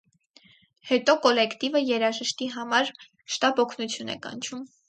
Հետո կոլեկտիվը երաժիշտի համար շտապ օգնություն է կանչում։